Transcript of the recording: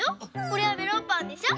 これはメロンパンでしょ。